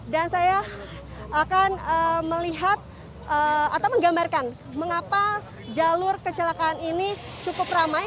dan saya akan melihat atau menggambarkan mengapa jalur kecelakaan ini cukup ramai